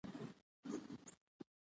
خرس په ځنګل کې شات خوښوي.